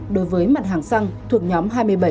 đối với mặt hàng xăng thuộc nhóm hai mươi bảy một mươi